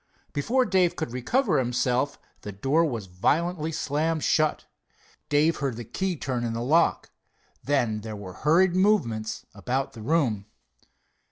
Before Dave could recover himself the door was violently slammed shut. Dave heard the key turn in the lock. Then there were hurried movements about the room.